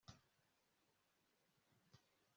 byagezaho bahita batwambika amapingu